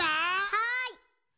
はい！